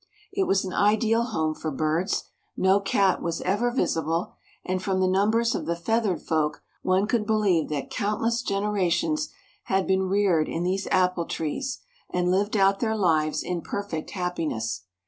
It was an ideal home for birds, no cat was ever visible, and from the numbers of the feathered folk one could believe that countless generations had been reared in these apple trees and lived out their little lives in perfect happiness.